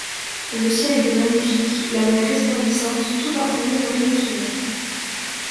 Le ciel était magnifique, la mer resplendissante, tout imprégnée de rayons solaires.